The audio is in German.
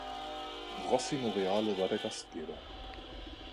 Rossi Morreale war der Gastgeber.